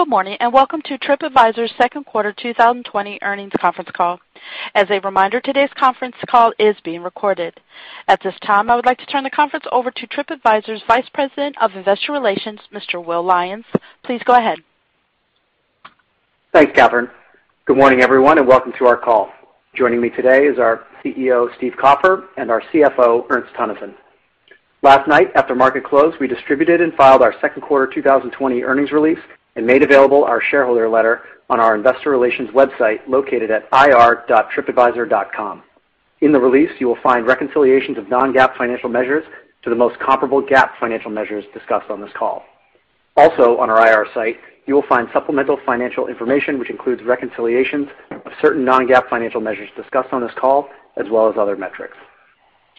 Good morning. Welcome to Tripadvisor's Q2 2020 earnings conference call. As a reminder, today's conference call is being recorded. At this time, I would like to turn the conference over to Tripadvisor's Vice President of Investor Relations, Mr. Will Lyons. Please go ahead. Thanks, Catherine. Good morning, everyone, welcome to our call. Joining me today is our CEO, Steve Kaufer, and our CFO, Ernst Teunissen. Last night, after market close, we distributed and filed our Q2 2020 earnings release and made available our shareholder letter on our investor relations website, located at ir.tripadvisor.com. In the release, you will find reconciliations of non-GAAP financial measures to the most comparable GAAP financial measures discussed on this call. Also on our IR site, you will find supplemental financial information, which includes reconciliations of certain non-GAAP financial measures discussed on this call, as well as other metrics.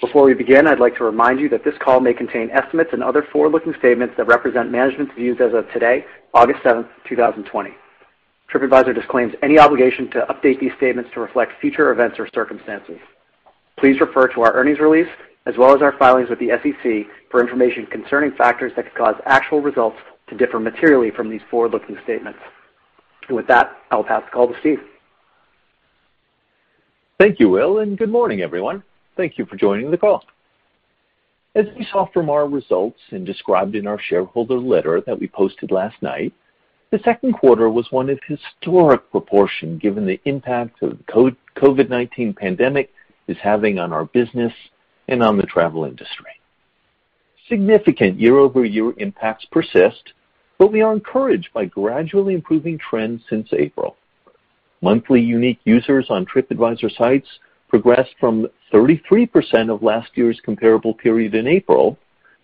Before we begin, I'd like to remind you that this call may contain estimates and other forward-looking statements that represent management's views as of today, 7 August 2020. Tripadvisor disclaims any obligation to update these statements to reflect future events or circumstances. Please refer to our earnings release as well as our filings with the SEC for information concerning factors that could cause actual results to differ materially from these forward-looking statements. With that, I'll pass the call to Steve. Thank you, Will, and good morning, everyone. Thank you for joining the call. As we saw from our results and described in our shareholder letter that we posted last night, the Q2 was one of historic proportion given the impact the COVID-19 pandemic is having on our business and on the travel industry. Significant year-over-year impacts persist, but we are encouraged by gradually improving trends since April. Monthly unique users on Tripadvisor sites progressed from 33% of last year's comparable period in April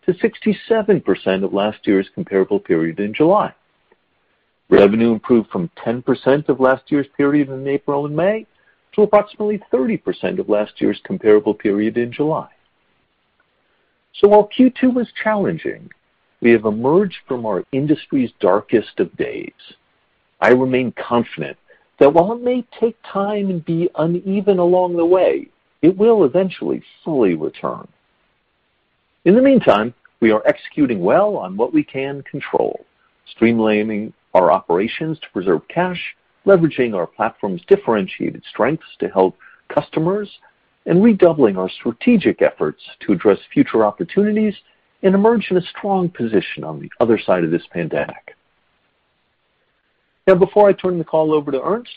to 67% of last year's comparable period in July. Revenue improved from 10% of last year's period in April and May to approximately 30% of last year's comparable period in July. While Q2 was challenging, we have emerged from our industry's darkest of days. I remain confident that while it may take time and be uneven along the way, it will eventually fully return. In the meantime, we are executing well on what we can control, streamlining our operations to preserve cash, leveraging our platform's differentiated strengths to help customers, and redoubling our strategic efforts to address future opportunities and emerge in a strong position on the other side of this pandemic. Before I turn the call over to Ernst,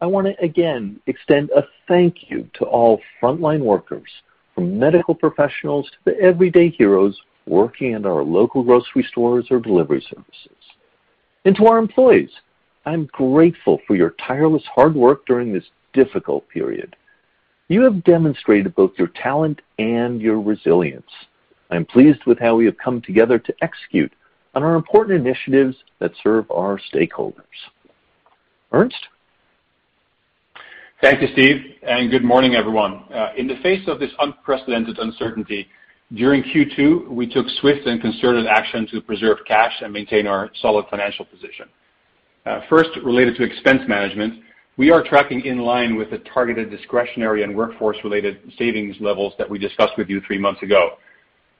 I want to again extend a thank you to all frontline workers, from medical professionals to the everyday heroes working at our local grocery stores or delivery services. To our employees, I'm grateful for your tireless hard work during this difficult period. You have demonstrated both your talent and your resilience. I am pleased with how we have come together to execute on our important initiatives that serve our stakeholders. Ernst? Thank you, Steve, and good morning, everyone. In the face of this unprecedented uncertainty, during Q2, we took swift and concerted action to preserve cash and maintain our solid financial position. First, related to expense management, we are tracking in line with the targeted discretionary and workforce-related savings levels that we discussed with you three months ago.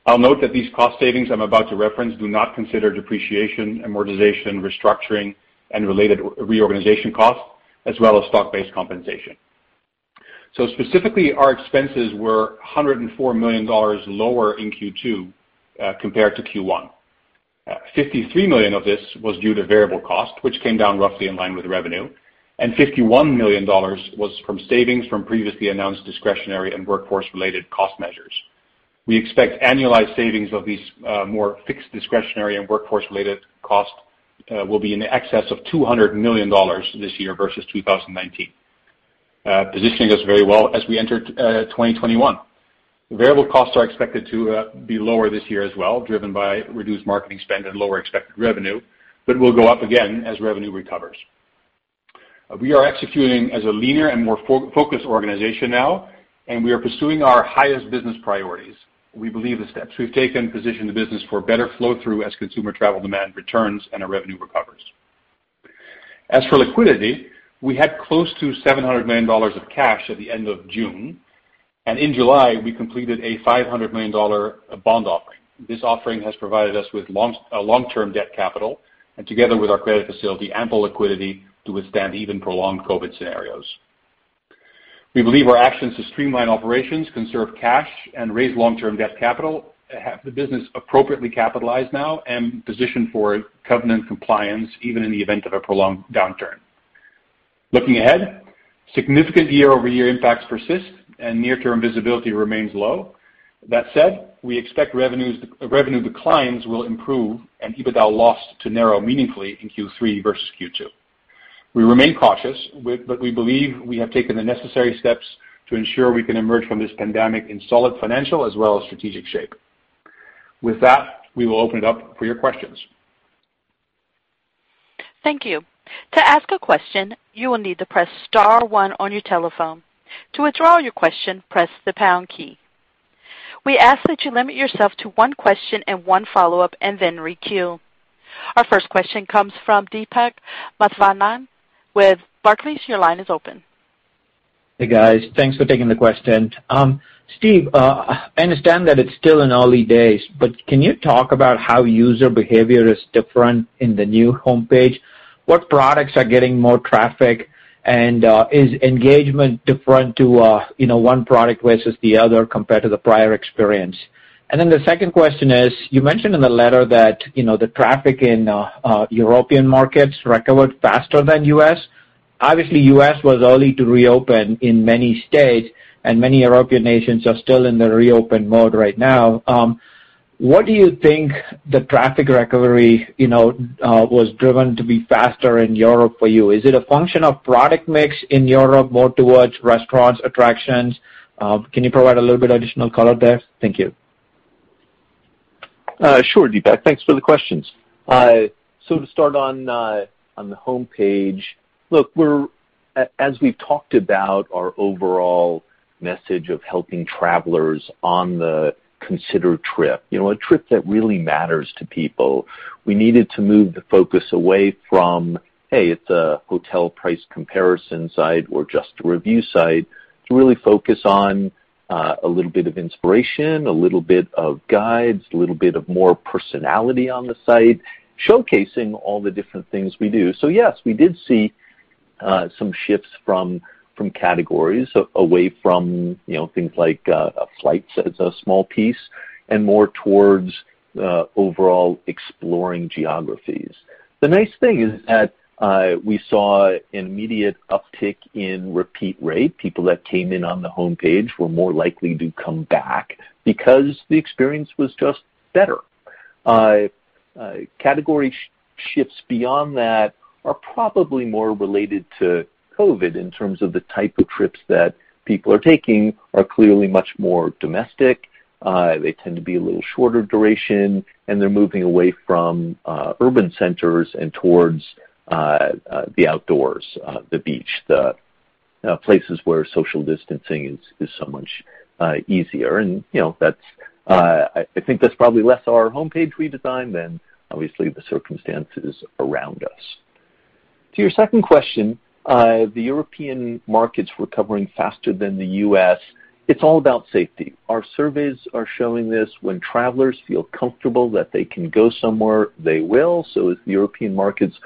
I'll note that these cost savings I'm about to reference do not consider depreciation, amortization, restructuring, and related reorganization costs, as well as stock-based compensation. Specifically, our expenses were $104 million lower in Q2 compared to Q1. $53 million of this was due to variable costs, which came down roughly in line with revenue, and $51 million was from savings from previously announced discretionary and workforce-related cost measures. We expect annualized savings of these more fixed discretionary and workforce-related costs will be in excess of $200 million this year versus 2019, positioning us very well as we enter 2021. Variable costs are expected to be lower this year as well, driven by reduced marketing spend and lower expected revenue, but will go up again as revenue recovers. We are executing as a leaner and more focused organization now, and we are pursuing our highest business priorities. We believe the steps we've taken position the business for better flow-through as consumer travel demand returns and our revenue recovers. As for liquidity, we had close to $700 million of cash at the end of June, and in July, we completed a $500 million bond offering this offering has provided us with long-term debt capital, and together with our credit facility, ample liquidity to withstand even prolonged COVID-19 scenarios. We believe our actions to streamline operations, conserve cash, and raise long-term debt capital have the business appropriately capitalized now and positioned for covenant compliance even in the event of a prolonged downturn. Looking ahead, significant year-over-year impacts persist, and near-term visibility remains low. That said, we expect revenue declines will improve and EBITDA loss to narrow meaningfully in Q3 versus Q2. We remain cautious, but we believe we have taken the necessary steps to ensure we can emerge from this pandemic in solid financial as well as strategic shape. With that, we will open it up for your questions. Thank you. To ask a question, you will need to press star one on your telephone. To withdraw your question, press the hash key. We ask that you limit yourself to one question and one follow-up, and then requeue. Our first question comes from Deepak Mathivanan with Barclays, your line is open. Hey, guys. Thanks for taking the question. Steve, I understand that it's still in early days, but can you talk about how user behavior is different in the new homepage? What products are getting more traffic? Is engagement different to one product versus the other compared to the prior experience? The second question is, you mentioned in the letter that the traffic in European markets recovered faster than U.S. Obviously, U.S. was early to reopen in many states, and many European nations are still in the reopen mode right now. What do you think the traffic recovery was driven to be faster in Europe for you? Is it a function of product mix in Europe, more towards restaurants, attractions? Can you provide a little bit additional color there? Thank you. Deepak. Thanks for the questions. To start on the homepage, look, as we've talked about our overall message of helping travelers on the consider trip, a trip that really matters to people, we needed to move the focus away from, hey, it's a hotel price comparison site or just a review site, to really focus on- -a little bit of inspiration, a little bit of guides, a little bit of more personality on the site, showcasing all the different things we do so yes, we did see some shifts from categories away from things like flights as a small piece and more towards overall exploring geographies. The nice thing is that we saw an immediate uptick in repeat rate, people that came in on the homepage were more likely to come back because the experience was just better. Category shifts beyond that are probably more related to COVID-19 in terms of the type of trips that people are taking are clearly much more domestic. They tend to be a little shorter duration, they're moving away from urban centers and towards the outdoors, the beach, the places where social distancing is so much easier. I think that's probably less our homepage redesign than obviously the circumstances around us. To your second question, the European markets recovering faster than the U.S., it's all about safety our surveys are showing this, when travelers feel comfortable that they can go somewhere, they will so as the European markets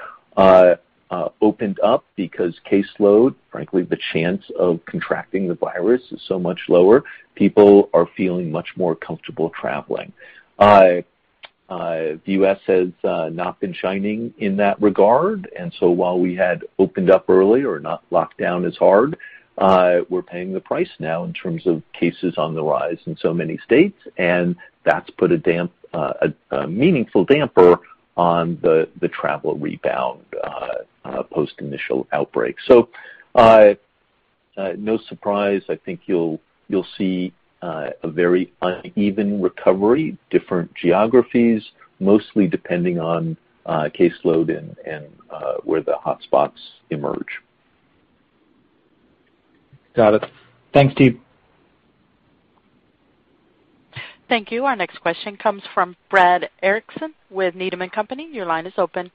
opened up because caseload, frankly, the chance of contracting the virus is so much lower, people are feeling much more comfortable traveling. The U.S. has not been shining in that regard, and so while we had opened up early or not locked down as hard, we're paying the price now in terms of cases on the rise in so many states, and that's put a meaningful damper on the travel rebound, post initial outbreak. No surprise, I think you'll see a very uneven recovery, different geographies, mostly depending on caseload and where the hotspots emerge. Got it. Thanks, Steve. Thank you. Our next question comes from Brad Erickson with Needham & Company. Your line is open.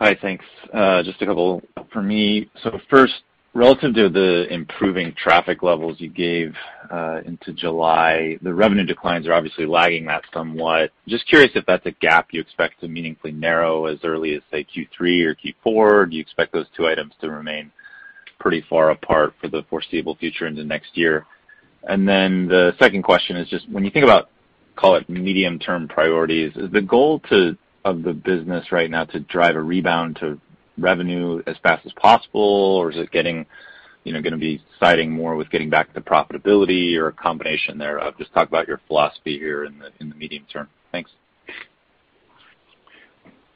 Hi. Thanks. Just a couple for me. First, relative to the improving traffic levels you gave into July, the revenue declines are obviously lagging that somewhat. Just curious if that's a gap you expect to meaningfully narrow as early as, say, Q3 or Q4, do you expect those two items to remain pretty far apart for the foreseeable future into next year? Then the second question is just when you think about, call it medium-term priorities, is the goal of the business right now to drive a rebound to revenue as fast as possible? or is it going to be siding more with getting back to profitability or a combination thereof? Just talk about your philosophy here in the medium-term. Thanks.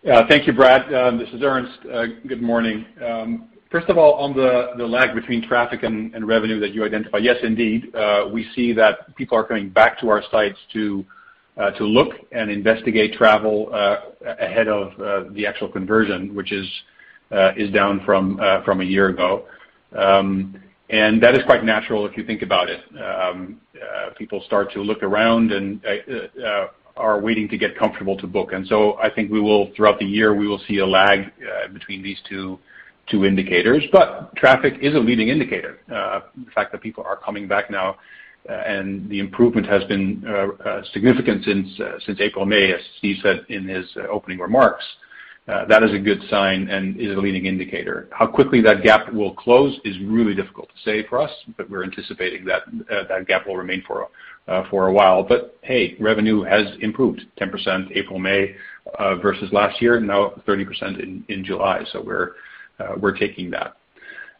Yeah. Thank you, Brad. This is Ernst. Good morning. First of all, on the lag between traffic and revenue that you identify, yes, indeed, we see that people are coming back to our sites to look and investigate travel ahead of the actual conversion, which is down from a year ago. That is quite natural if you think about it. People start to look around and are waiting to get comfortable to book so i think throughout the year, we will see a lag between these two indicators, traffic is a leading indicator. The fact that people are coming back now and the improvement has been significant since April, May, as Steve said in his opening remarks, that is a good sign and is a leading indicator. How quickly that gap will close is really difficult to say for us, we're anticipating that gap will remain for a while, but hey, revenue has improved 10% April, May versus last year, now 30% in July so we're taking that.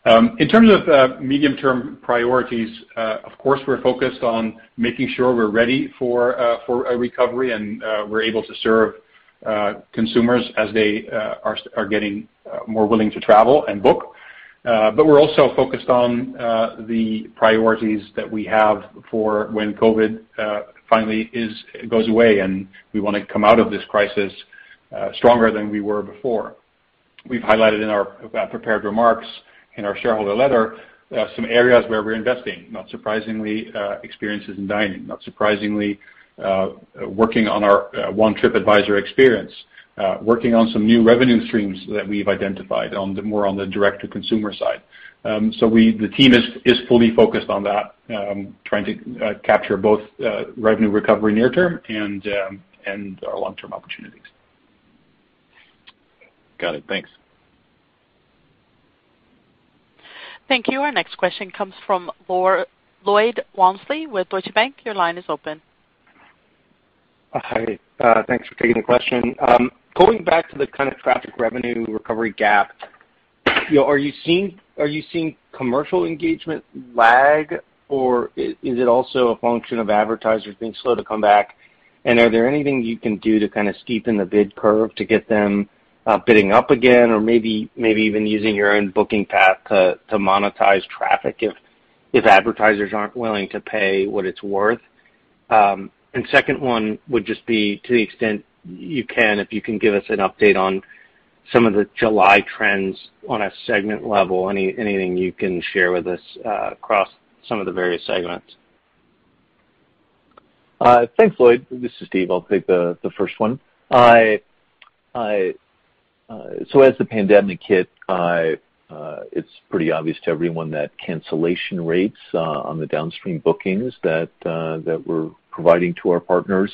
In terms of medium-term priorities, of course, we're focused on making sure we're ready for a recovery and we're able to serve consumers as they are getting more willing to travel and book. We're also focused on the priorities that we have for when COVID-19 finally goes away, and we want to come out of this crisis stronger than we were before. We've highlighted in our prepared remarks in our shareholder letter some areas where we're investing. Not surprisingly, Experiences in dining not surprisingly, working on our One Tripadvisor experience, working on some new revenue streams that we've identified more on the direct-to-consumer side. The team is fully focused on that, trying to capture both revenue recovery near term and our long-term opportunities. Got it. Thanks. Thank you. Our next question comes from Lloyd Walmsley with Deutsche Bank. Your line is open. Hi. Thanks for taking the question. Going back to the kind of traffic revenue recovery gap, are you seeing commercial engagement lag? or is it also a function of advertisers being slow to come back? Are there anything you can do to steepen the bid curve to get them bidding up again? or maybe even using your own booking path to monetize traffic if advertisers aren't willing to pay what it's worth? Second one would just be to the extent you can, if you can give us an update on some of the July trends on a segment level, anything you can share with us across some of the various segments? Thanks, Lloyd this is Steve. I'll take the first one. As the pandemic hit, it's pretty obvious to everyone that cancellation rates on the downstream bookings that we're providing to our partners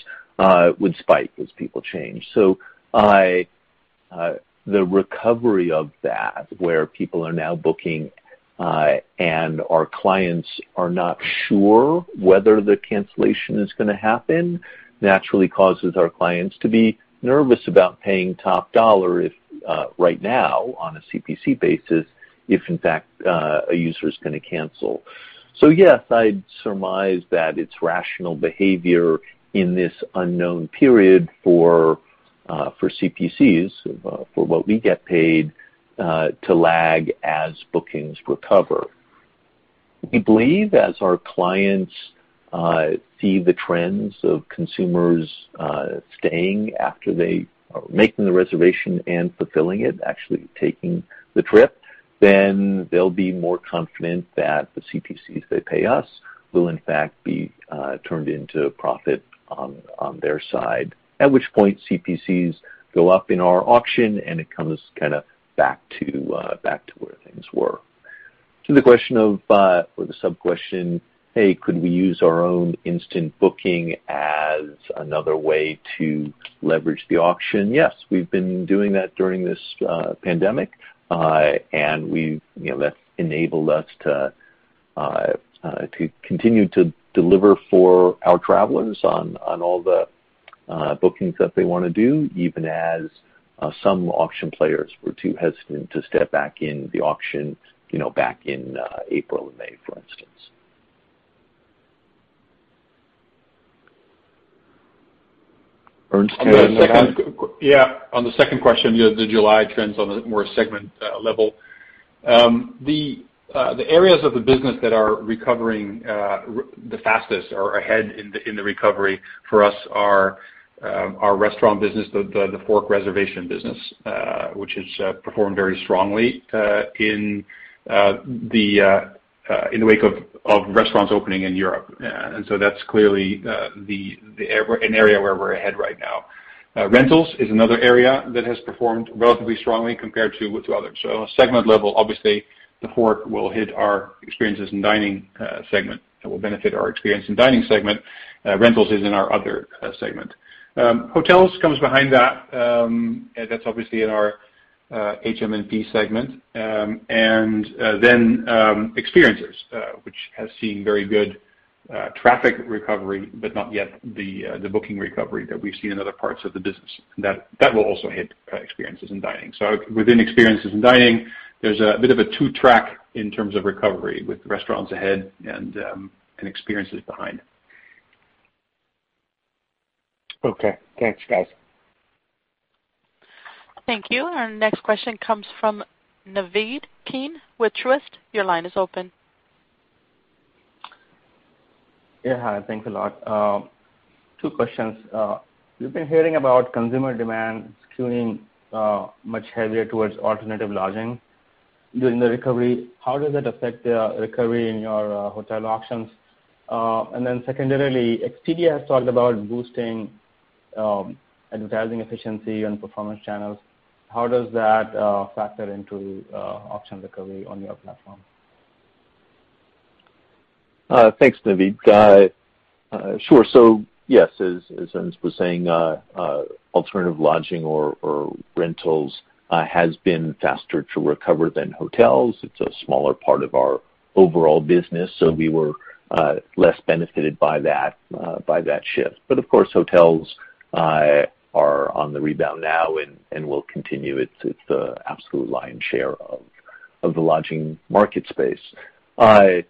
would spike as people change. The recovery of that, where people are now booking and our clients are not sure whether the cancellation is going to happen, naturally causes our clients to be nervous about paying top dollar right now on a CPC basis if, in fact, a user's going to cancel. Yes, I'd surmise that it's rational behavior in this unknown period for CPCs, for what we get paid to lag as bookings recover. We believe as our clients see the trends of consumers staying after they are making the reservation and fulfilling it, actually taking the trip, then they'll be more confident that the CPCs they pay us will in fact be turned into profit on their side. At which point CPCs go up in our auction, and it comes back to where things were. To the sub-question, hey, could we use our own Instant Booking as another way to leverage the auction? yes, we've been doing that during this pandemic, and that's enabled us to continue to deliver for our travelers on all the bookings that they want to do, even as some auction players were too hesitant to step back in the auction back in April and May, for instance. Ernst, do you want to add? Yeah. On the second question, the July trends on a more segment level. The areas of the business that are recovering the fastest or ahead in the recovery for us are our restaurant business, TheFork reservation business, which has performed very strongly in the wake of restaurants opening in Europe. That's clearly an area where we're ahead right now. Rentals is another area that has performed relatively strongly compared to others so on a segment level, obviously, TheFork will hit our Experiences & Dining segment, that will benefit our Experiences & Dining segment. Rentals is in our other segment. Hotels comes behind that's obviously in our HM&P segment. Experiences, which has seen very good traffic recovery, but not yet the booking recovery that we've seen in other parts of the business. That will also hit Experiences & Dining so within Experiences & Dining, there's a bit of a two-track in terms of recovery, with restaurants ahead and Experiences behind. Okay. Thanks, guys. Thank you. Our next question comes from Naved Khan with Truist. Your line is open. Yeah, hi thanks a lot. Two questions. We've been hearing about consumer demand skewing much heavier towards alternative lodging during the recovery. How does that affect the recovery in your hotel auctions? Secondarily, Expedia has talked about boosting advertising efficiency and performance channels. How does that factor into auction recovery on your platform? Thanks, Naved. Sure. Yes, as Ernst was saying, alternative lodging or rentals has been faster to recover than hotels. It's a smaller part of our overall business, so we were less benefited by that shift but of course, hotels are on the rebound now and will continue it's the absolute lion's share of the lodging market space. I'm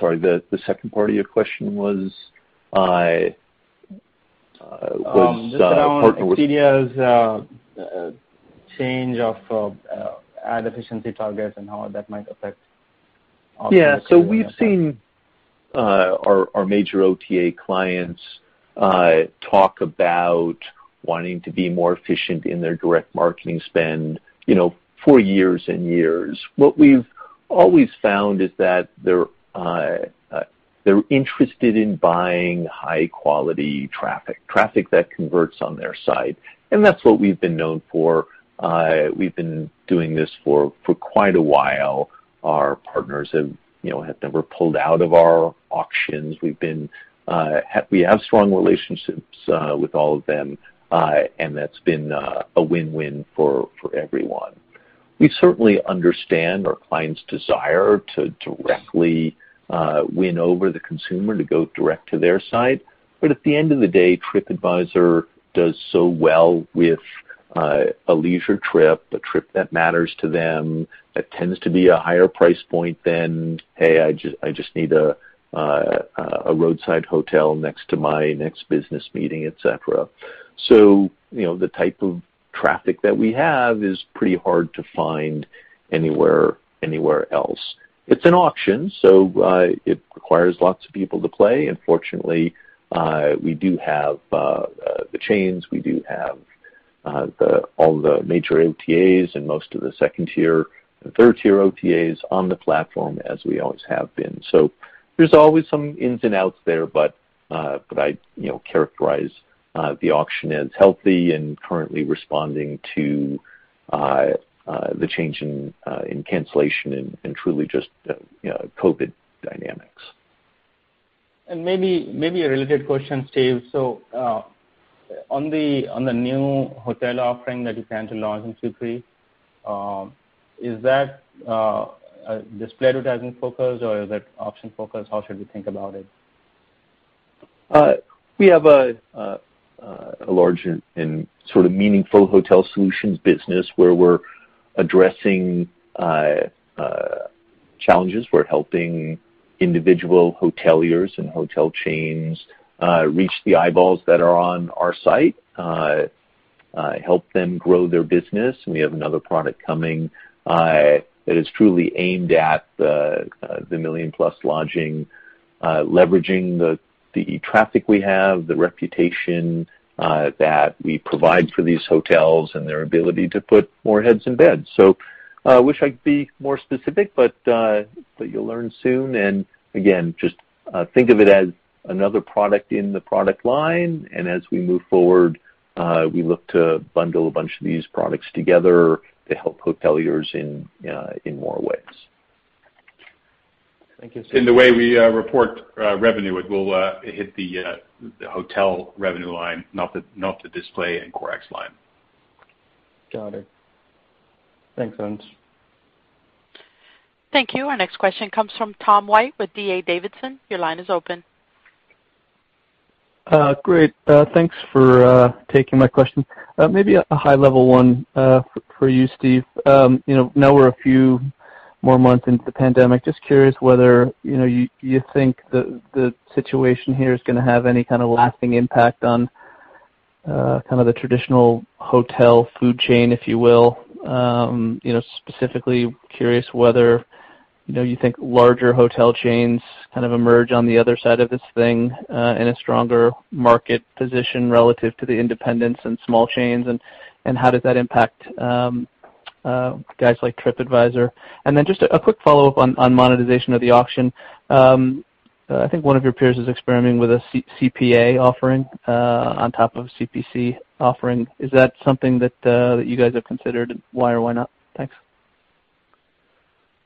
sorry, the second part of your question was? Just around Expedia's change of ad efficiency targets and how that might affect auction recovery. Our major OTA clients talk about wanting to be more efficient in their direct marketing spend for years and years what we've always found is that they're interested in buying high-quality traffic that converts on their site, and that's what we've been known for. We've been doing this for quite a while. Our partners have never pulled out of our auctions, we have strong relationships with all of them, and that's been a win-win for everyone. We certainly understand our clients' desire to directly win over the consumer to go direct to their site. At the end of the day, Tripadvisor does so well with a leisure trip, a trip that matters to them, that tends to be a higher price point than, "Hey, I just need a roadside hotel next to my next business meeting," et cetera. The type of traffic that we have is pretty hard to find anywhere else. It's an auction, so it requires lots of people to play, and fortunately, we do have the chains, we do have all the major OTAs and most of the second tier and third tier OTAs on the platform as we always have been. There's always some ins and outs there, but I characterize the auction as healthy and currently responding to the change in cancellation and truly just COVID-19 dynamics. Maybe a related question, Steve. On the new hotel offering that you plan to launch in Q3, is that display advertising focused or is that auction focused? How should we think about it? We have a large and sort of meaningful hotel solutions business where we're addressing challenges we're helping individual hoteliers and hotel chains reach the eyeballs that are on our site, help them grow their business, and we have another product coming that is truly aimed at the million-plus lodging, leveraging the traffic we have, the reputation that we provide for these hotels, and their ability to put more heads in beds. Wish I could be more specific, but you'll learn soon. Again, just think of it as another product in the product line, and as we move forward, we look to bundle a bunch of these products together to help hoteliers in more ways. Thank you. In the way we report revenue, it will hit the hotel revenue line, not the display and platform line. Got it. Thanks, Ernst. Thank you. Our next question comes from Tom White with D.A. Davidson. Your line is open. Great. Thanks for taking my question. Maybe a high-level one for you, Steve. We're a few more months into the pandemic, just curious whether you think the situation here is going to have any kind of lasting impact on kind of the traditional hotel food chain, if you will. Specifically curious whether you think larger hotel chains kind of emerge on the other side of this thing in a stronger market position relative to the independents and small chains, and how does that impact guys like Tripadvisor? Just a quick follow-up on monetization of the auction. I think one of your peers is experimenting with a CPA offering on top of a CPC offering is that something that you guys have considered, why? or why not? Thanks. Thanks,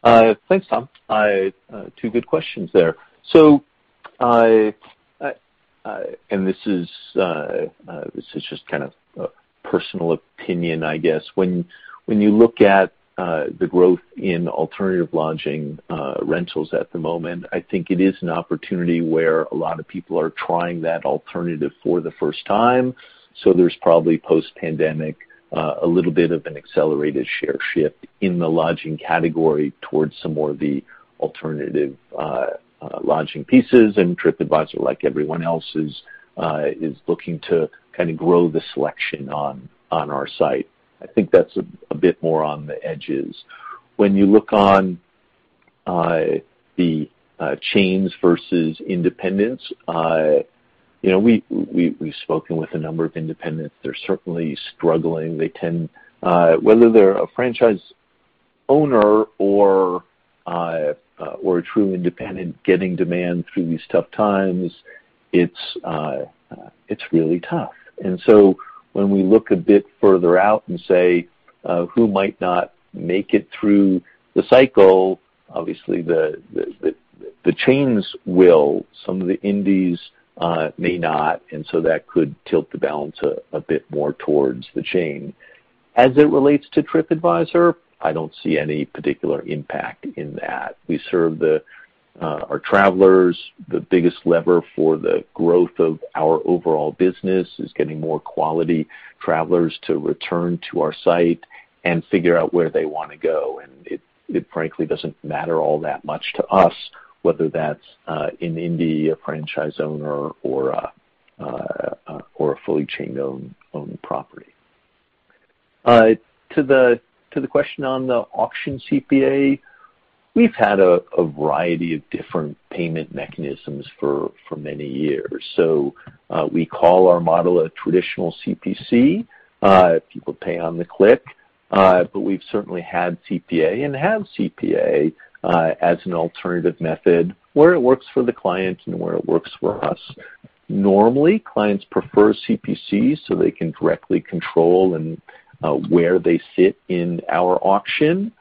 Tom. Two good questions there. This is just kind of a personal opinion, I guess when you look at the growth in alternative lodging rentals at the moment, I think it is an opportunity where a lot of people are trying that alternative for the first time. There's probably post-pandemic, a little bit of an accelerated share shift in the lodging category towards some more of the alternative lodging pieces, and Tripadvisor, like everyone else, is looking to kind of grow the selection on our site. I think that's a bit more on the edges. When you look on the chains versus independents, we've spoken with a number of independents they're certainly struggling, whether they're a franchise owner or a true independent getting demand through these tough times, it's really tough. When we look a bit further out and say who might not make it through the cycle, obviously the chains will, some of the indies may not, that could tilt the balance a bit more towards the chain. As it relates to Tripadvisor, I don't see any particular impact in that, we serve our travelers, the biggest lever for the growth of our overall business is getting more quality travelers to return to our site and figure out where they want to go it frankly doesn't matter all that much to us whether that's an indie, a franchise owner or a fully chain-owned property. To the question on the auction CPA, we've had a variety of different payment mechanisms for many years. We call our model a traditional CPC, people pay on the click, but we've certainly had CPA and have CPA as an alternative method where it works for the client and where it works for us. Normally, clients prefer CPC so they can directly control where they sit in our auction.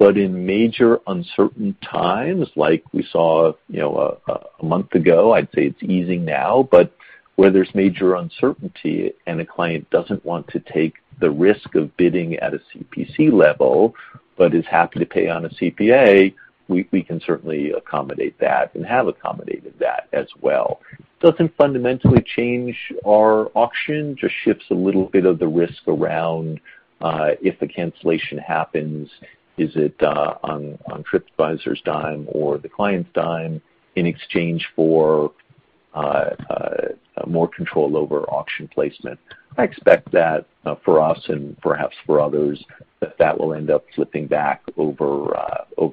In major uncertain times, like we saw a month ago, I'd say it's easing now, but where there's major uncertainty and a client doesn't want to take the risk of bidding at a CPC level but is happy to pay on a CPA, we can certainly accommodate that and have accommodated that as well. Doesn't fundamentally change our auction, just shifts a little bit of the risk around, if a cancellation happens, is it on Tripadvisor's dime or the client's dime in exchange for more control over auction placement, i expect that for us and perhaps for others, that will end up flipping back over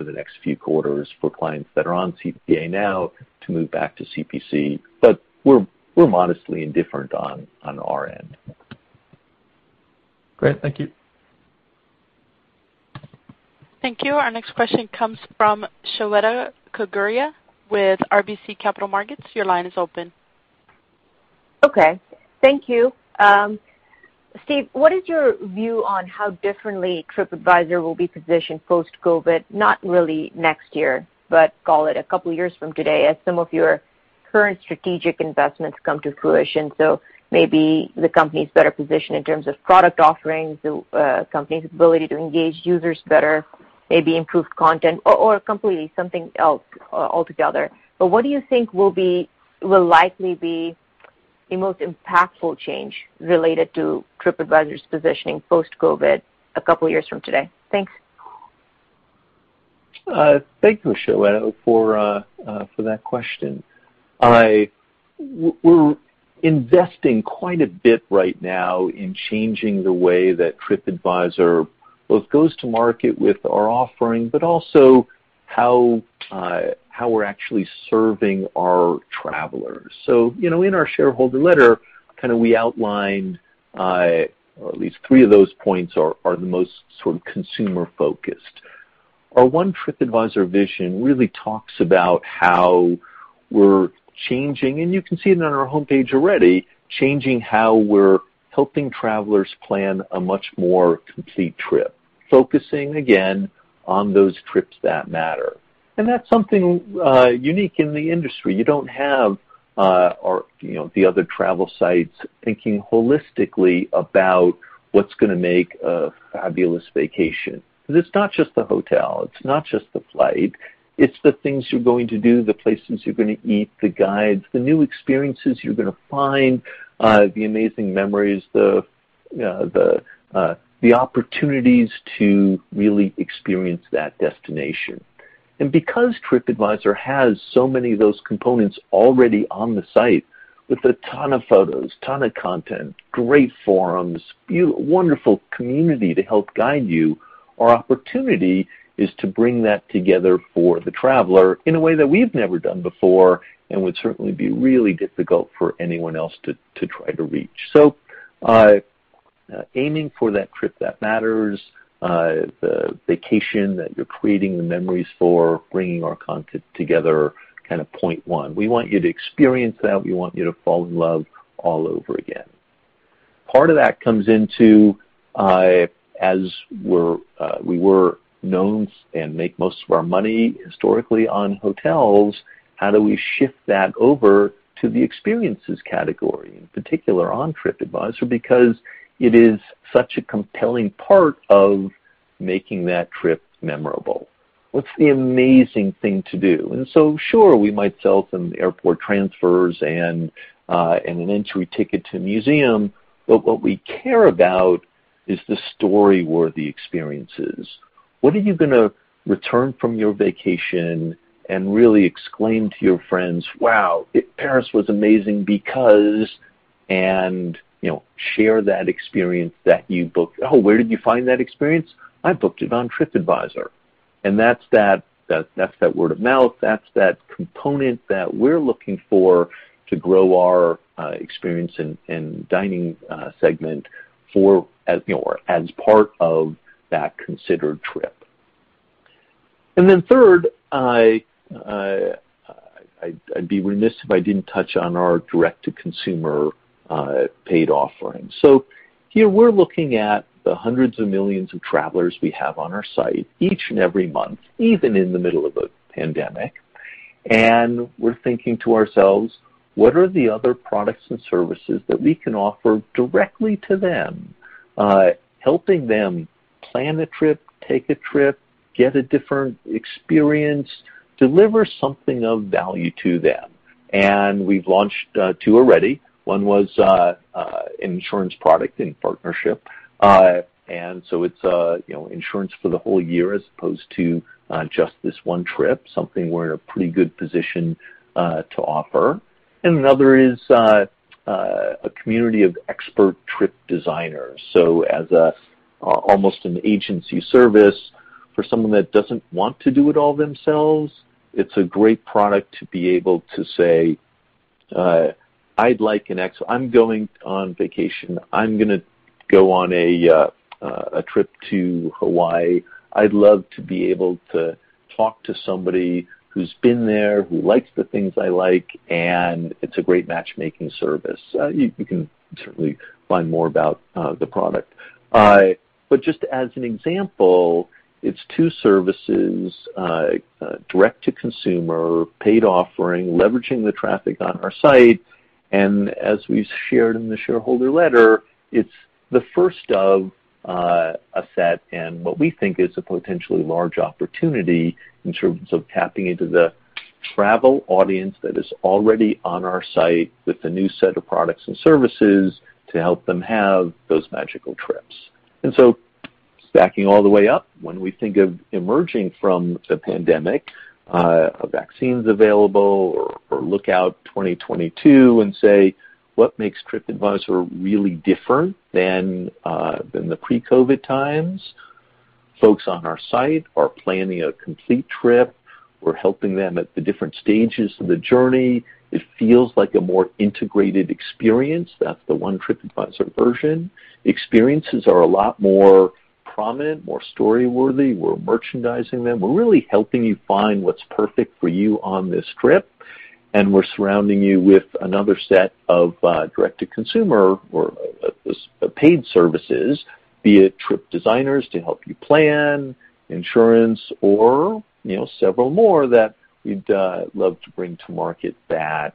the next few quarters for clients that are on CPA now to move back to CPC but we're modestly indifferent on our end. Great. Thank you. Thank you. Our next question comes from Shweta Khajuria with RBC Capital Markets. Your line is open. Okay. Thank you. Steve, what is your view on how differently Tripadvisor will be positioned post-COVID-19? not really next year, but call it a couple of years from today, as some of your current strategic investments come to fruition, maybe the company's better positioned in terms of product offerings, the company's ability to engage users better, maybe improved content or completely something else altogether. What do you think will likely be the most impactful change related to Tripadvisor's positioning post-COVID-19 a couple of years from today? Thanks. Thank you, Shweta, for that question. We're investing quite a bit right now in changing the way that Tripadvisor both goes to market with our offering, but also how we're actually serving our travelers. In our shareholder letter, we outlined at least three of those points are the most sort of consumer-focused. Our One Tripadvisor vision really talks about how we're changing, and you can see it on our homepage already, changing how we're helping travelers plan a much more complete trip, focusing again on those trips that matter. That's something unique in the industry you don't have the other travel sites thinking holistically about what's going to make a fabulous vacation, because it's not just the hotel, it's not just the flight, it's the things you're going to do, the places you're going to eat, the guides, the new experiences you're going to find, the amazing memories, the opportunities to really experience that destination. Because Tripadvisor has so many of those components already on the site with a ton of photos, ton of content, great forums, wonderful community to help guide you, our opportunity is to bring that together for the traveler in a way that we've never done before and would certainly be really difficult for anyone else to try to reach. Aiming for that trip that matters, the vacation that you're creating the memories for, bringing our content together, kind of point one we want you to experience that we want you to fall in love all over again. Part of that comes into as we were known and make most of our money historically on hotels, how do we shift that over to the Experiences category, in particular on Tripadvisor because? It is such a compelling part of making that trip memorable. What's the amazing thing to do? sure, we might sell some airport transfers and an entry ticket to a museum, but what we care about is the story-worthy experiences. What are you going to return from your vacation and really exclaim to your friends, "Wow, Paris was amazing because" and share that experience that you booked, oh, where did you find that experience? I booked it on Tripadvisor. That's that word of mouth, that's that component that we're looking for to grow our Experiences & Dining segment as part of that considered trip. Third, I'd be remiss if I didn't touch on our direct-to-consumer paid offerings. Here we're looking at the hundreds of millions of travelers we have on our site each and every month, even in the middle of a pandemic, and we're thinking to ourselves, what are the other products and services that we can offer directly to them, helping them plan a trip, take a trip, get a different experience, deliver something of value to them? We've launched two already. One was an insurance product in partnership. It's insurance for the whole year as opposed to just this one trip, something we're in a pretty good position to offer. Another is a community of expert Trip Designers. As almost an agency service for someone that doesn't want to do it all themselves, it's a great product to be able to say, "I'm going on vacation. I'm going to go on a trip to Hawaii. I'd love to be able to talk to somebody who's been there, who likes the things I like," and it's a great matchmaking service you can certainly find more about the product. Just as an example, it's two services, direct to consumer, paid offering, leveraging the traffic on our site. As we shared in the shareholder letter, it's the first of a set in what we think is a potentially large opportunity in terms of tapping into the travel audience that is already on our site with a new set of products and services to help them have those magical trips. Backing all the way up, when we think of emerging from the pandemic, vaccines available, or look out 2022 and say, what makes Tripadvisor really different than the pre-COVID-19 times? Folks on our site are planning a complete trip. We're helping them at the different stages of the journey. It feels like a more integrated experience that's the One Tripadvisor version. Experiences are a lot more prominent, more story-worthy we're merchandising them we're really helping you find what's perfect for you on this trip, and we're surrounding you with another set of direct-to-consumer or paid services, be it Trip Designers to help you plan, insurance, or several more that we'd love to bring to market that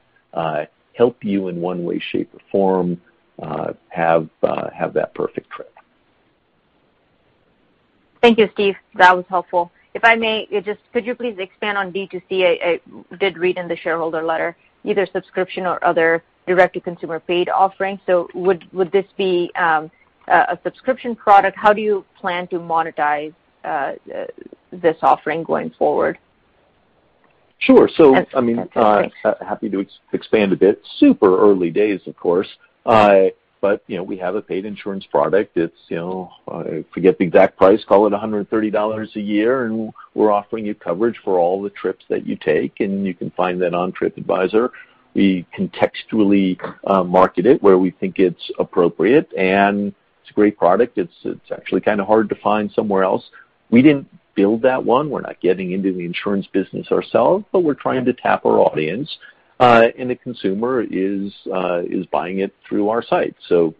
help you in one way, shape, or form have that perfect trip. Thank you, Steve. That was helpful. If I may, could you please expand on D2C? I did read in the shareholder letter, either subscription or other direct-to-consumer paid offerings, would this be a subscription product? How do you plan to monetize this offering going forward? Sure. That's interesting. Happy to expand a bit, super early days, of course. We have a paid insurance product. I forget the exact price, call it $130 a year, and we're offering you coverage for all the trips that you take, and you can find that on Tripadvisor. We contextually market it where we think it's appropriate, and it's a great product it's actually kind of hard to find somewhere else. We didn't build that one we're not getting into the insurance business ourselves, but we're trying to tap our audience. The consumer is buying it through our site, so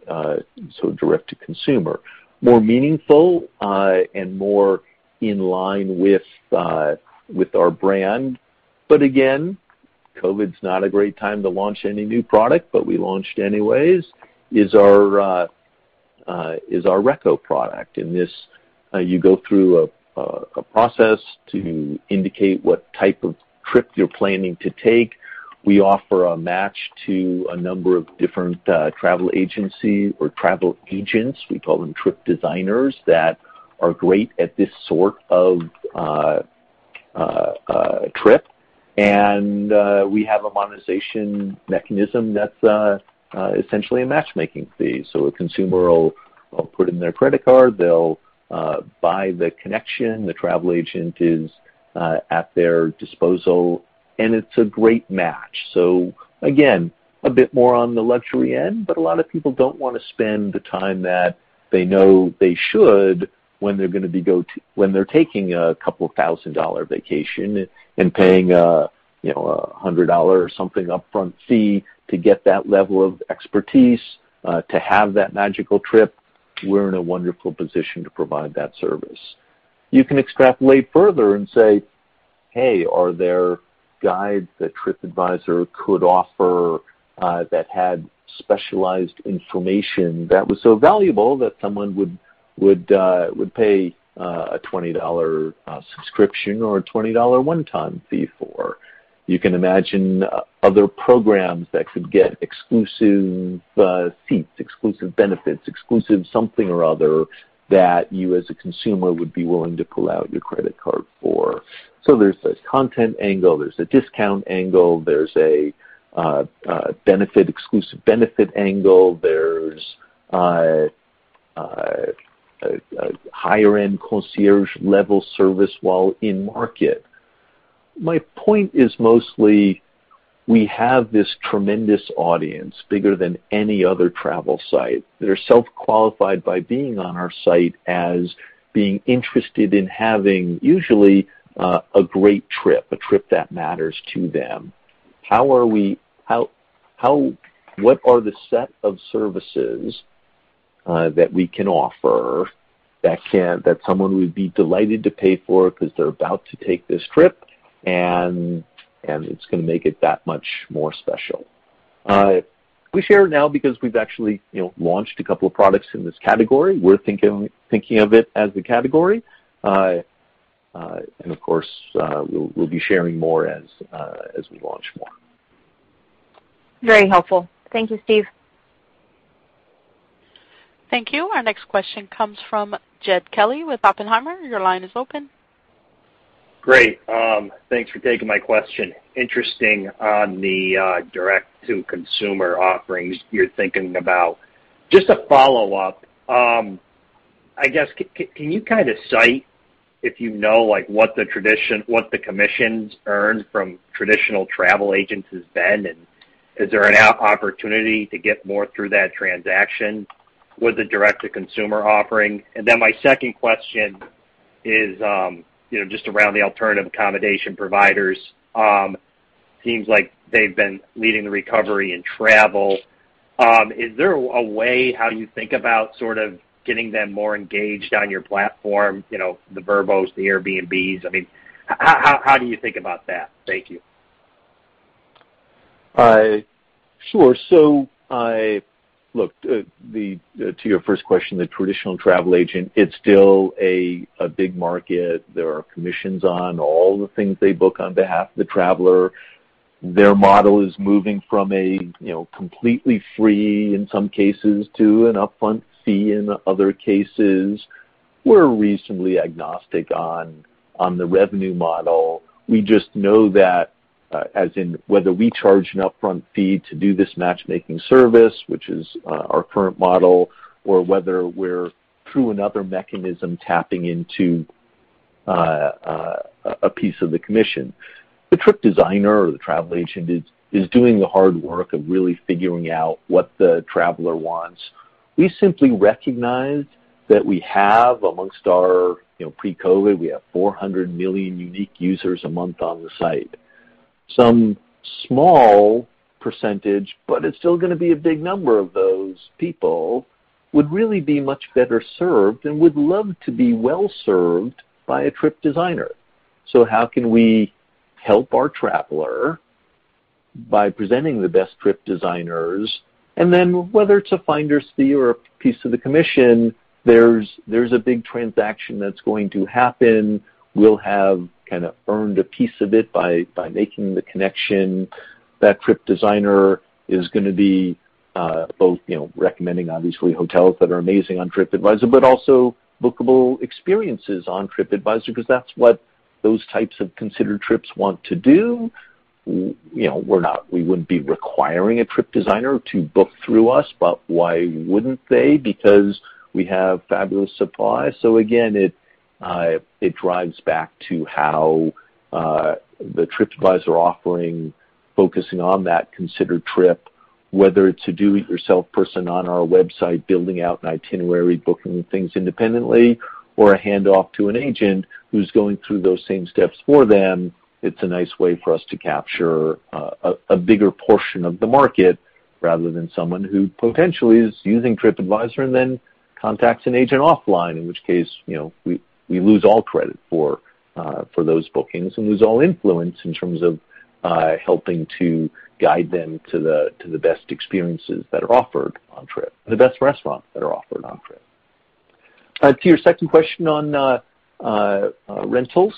direct to consumer. More meaningful and more in line with our brand, but again, COVID-19 not a great time to launch any new product, but we launched anyways, is our Reco product in this, you go through a process to indicate what type of trip you're planning to take. We offer a match to a number of different travel agencies or travel agents, we call them Trip Designers, that are great at this sort of trip, and, we have a monetization mechanism that's essentially a matchmaking fee so a consumer will put in their credit card, they'll buy the connection, the travel agent is at their disposal, and it's a great match. Again, a bit more on the luxury end, but a lot of people don't want to spend the time that they know they should when they're taking a couple $1,000 vacation and paying a $100 or something upfront fee to get that level of expertise, to have that magical trip. We're in a wonderful position to provide that service. You can extrapolate further and say, "Hey, are there guides that Tripadvisor could offer that had specialized information that was so valuable that someone would pay a $20 subscription or a $20 one-time fee for?" You can imagine other programs that could get exclusive seats, exclusive benefits, exclusive something or other that you as a consumer would be willing to pull out your credit card for. There's a content angle, there's a discount angle, there's a exclusive benefit angle, there's a higher end concierge level service while in market. My point is mostly we have this tremendous audience, bigger than any other travel site. They're self-qualified by being on our site as being interested in having usually a great trip, a trip that matters to them. What are the set of services that we can offer that someone would be delighted to pay for because they're about to take this trip, and it's going to make it that much more special? We share now because we've actually launched a couple of products in this category, we're thinking of it as a category. Of course, we'll be sharing more as we launch more. Very helpful. Thank you, Steve. Thank you. Our next question comes from Jed Kelly with Oppenheimer. Your line is open. Great. Thanks for taking my question. Interesting on the direct-to-consumer offerings you're thinking about. Just a follow-up, I guess, can you kind of cite, if you know, what the commissions earned from traditional travel agents has been? Is there an opportunity to get more through that transaction with the direct-to-consumer offering? My second question is just around the alternative accommodation providers. Seems like they've been leading the recovery in travel. Is there a way how you think about sort of getting them more engaged on your platform, the Vrbo the Airbnb? I mean, how do you think about that? Thank you. Sure. Look, to your first question, the traditional travel agent, it's still a big market, there are commissions on all the things they book on behalf of the traveler. Their model is moving from a completely free in some cases to an upfront fee in other cases. We're reasonably agnostic on the revenue model. We just know that as in whether we charge an upfront fee to do this matchmaking service, which is our current model, or whether we're through another mechanism, tapping into a piece of the commission. The Trip Designer or the travel agent is doing the hard work of really figuring out what the traveler wants. We simply recognize that we have, amongst our pre-COVID-19 we have 400 million unique users a month on the site, some small percentage, but it's still going to be a big number of those people, would really be much better served and would love to be well-served by a Trip Designer so how can we help our traveler by presenting the best Trip Designers, and then whether it's a finder's fee or a piece of the commission, there's a big transaction that's going to happen, we'll have kind of earned a piece of it by making the connection. That Trip Designer is going to be both recommending obviously hotels that are amazing on Tripadvisor, but also bookable experiences on Tripadvisor because that's what those types of considered trips want to do. We wouldn't be requiring a Trip Designer to book through us, but why wouldn't they because, we have fabulous supply, so again, it drives back to how the Tripadvisor offering, focusing on that considered trip, whether it's a do-it-yourself person on our website building out an itinerary, booking things independently, or a handoff to an agent who's going through those same steps for them. It's a nice way for us to capture a bigger portion of the market rather than someone who potentially is using Tripadvisor and then contacts an agent offline, in which case, we lose all credit for those bookings and lose all influence in terms of helping to guide them to the best experiences that are offered on trip, the best restaurants that are offered on trip. To your second question on rentals,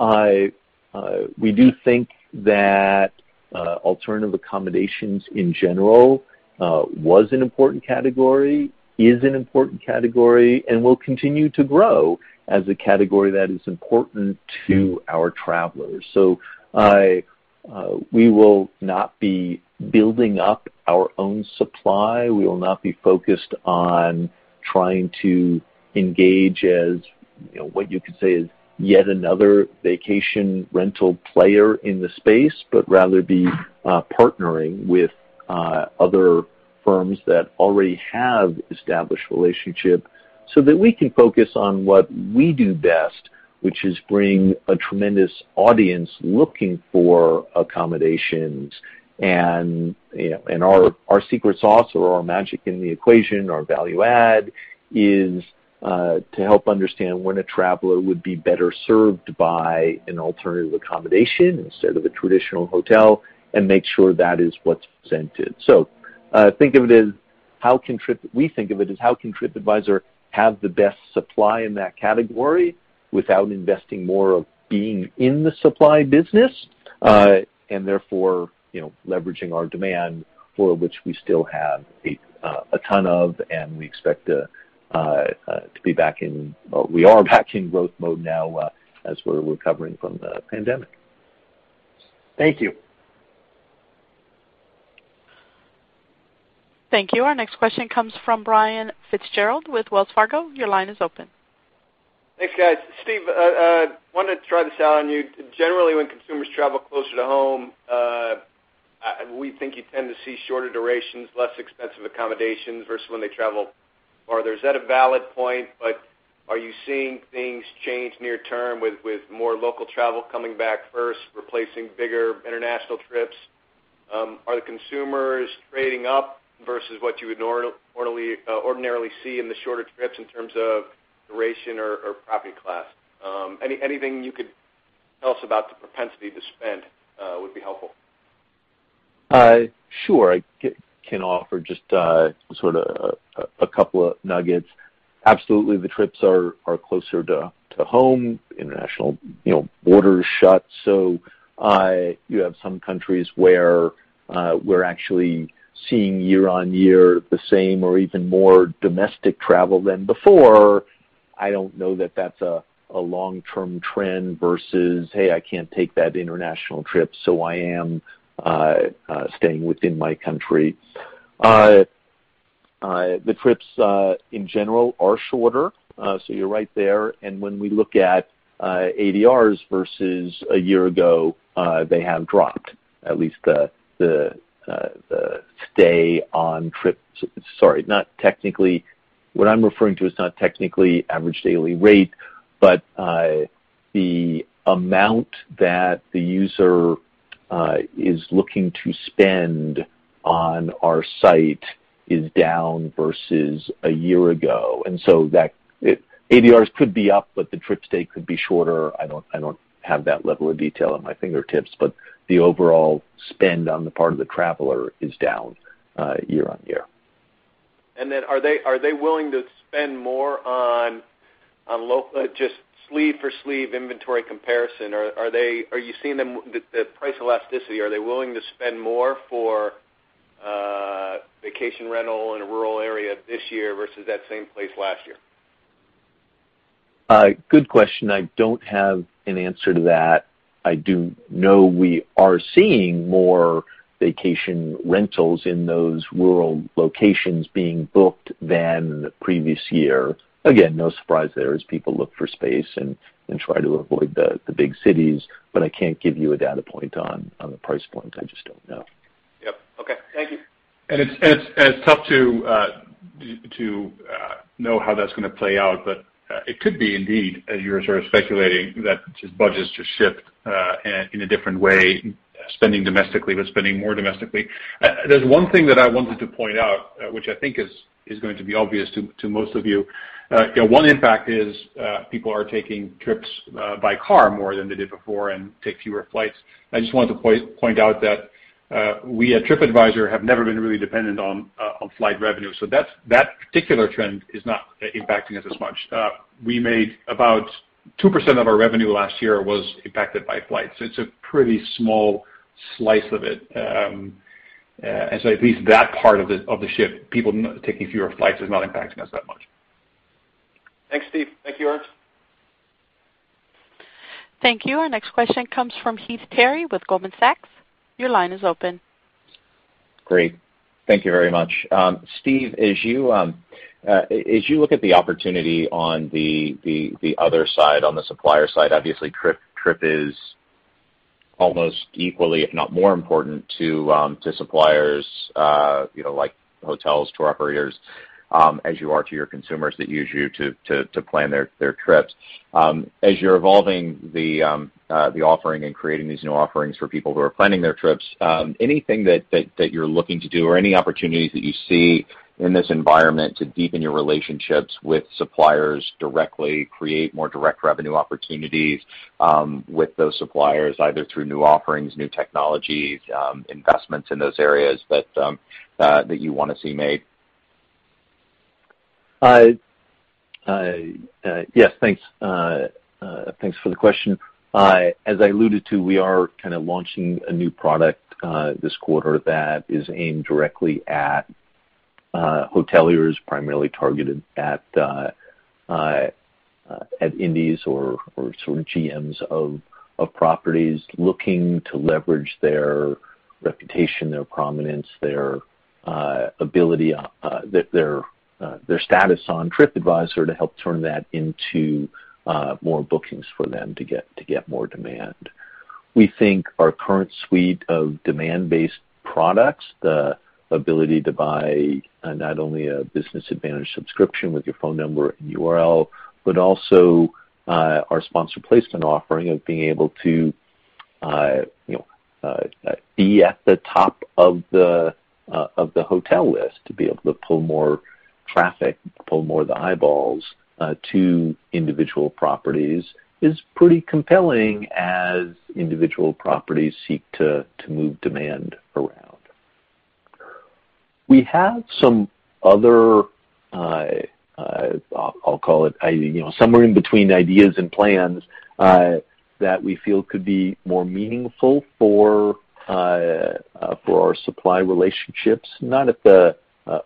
we do think that alternative accommodations in general was an important category, is an important category, and will continue to grow as a category that is important to our travelers. We will not be building up our own supply, we will not be focused on trying to engage as what you could say is yet another vacation rental player in the space, but rather be partnering with other firms that already have established relationship so that we can focus on what we do best, which is bring a tremendous audience looking for accommodations. Our secret sauce or our magic in the equation, our value add, is to help understand when a traveler would be better served by an alternative accommodation instead of a traditional hotel and make sure that is what's presented. We think of it as how can Tripadvisor have the best supply in that category without investing more of being in the supply business? Therefore, leveraging our demand for which we still have a ton of, and we expect to be back in, well, we are back in growth mode now as we're recovering from the pandemic. Thank you. Thank you. Our next question comes from Brian Fitzgerald with Wells Fargo. Your line is open. Thanks, guys. Steve, wanted to try this out on you generally, when consumers travel closer to home, we think you tend to see shorter durations, less expensive accommodations versus when they travel farther is that a valid point, are you seeing things change near term with more local travel coming back first, replacing bigger international trips? Are the consumers trading up versus what you would ordinarily see in the shorter trips in terms of duration or property class? Anything you could tell us about the propensity to spend would be helpful. Sure. I can offer just sort of a couple of nuggets. Absolutely, the trips are closer to home, international borders shut. You have some countries where we're actually seeing year-over-year the same or even more domestic travel than before. I don't know that that's a long-term trend versus, hey, I can't take that international trip, so I am staying within my country. The trips, in general, are shorter, so you're right there, and when we look at ADRs versus a year ago, they have dropped. Sorry, what I'm referring to is not technically Average Daily Rate, but the amount that the user is looking to spend on our site is down versus a year ago so that ADRs could be up, but the trip stay could be shorter. I don't have that level of detail at my fingertips, but the overall spend on the part of the traveler is down year-on-year. Are they willing to spend more on just sleeve for sleeve inventory comparison? Are you seeing the price elasticity? Are they willing to spend more for vacation rental in a rural area this year versus that same place last year? Good question i don't have an answer to that, i do know we are seeing more vacation rentals in those rural locations being booked than the previous year. Again, no surprise there as people look for space and try to avoid the big cities, but I can't give you a data point on the price point i just don't know. Yep. Okay. Thank you. It's tough to know how that's going to play out, it could be, indeed, as you were sort of speculating, that just budgets just shift in a different way, spending domestically, but spending more domestically. There's one thing that I wanted to point out, which I think is going to be obvious to most of you. One impact is people are taking trips by car more than they did before and take fewer flights. I just wanted to point out that we at Tripadvisor have never been really dependent on flight revenue that particular trend is not impacting us as much. We made about 2% of our revenue last year was impacted by flights it's a pretty small slice of it. At least that part of the shift, people taking fewer flights is not impacting us that much. Thanks, Steve. Thank you, Ernst. Thank you. Our next question comes from Heath Terry with Goldman Sachs. Your line is open. Great thank you very much. Steve, as you look at the opportunity on the other side, on the supplier side, obviously Tripadvisor is almost equally, if not more important to suppliers like hotels, tour operators, as you are to your consumers that use you to plan their trips. As you're evolving the offering and creating these new offerings for people who are planning their trips, anything that you're looking to do or any opportunities that you see in this environment to deepen your relationships with suppliers directly, create more direct revenue opportunities with those suppliers, either through new offerings, new technologies, investments in those areas that you want to see made? Yes, thanks for the question. As I alluded to, we are kind of launching a new product this quarter that is aimed directly at hoteliers, primarily targeted at indies or sort of GMs of properties looking to leverage their reputation, their prominence, their status on Tripadvisor to help turn that into more bookings for them to get more demand. We think our current suite of demand-based products, the ability to buy not only a Business Advantage subscription with your phone number and URL, but also our Sponsored Placements offering of being able to be at the top of the hotel list, to be able to pull more traffic, pull more of the eyeballs to individual properties is pretty compelling as individual properties seek to move demand around. We have some other, I'll call it, somewhere in between ideas and plans that we feel could be more meaningful for our supply relationships, not at the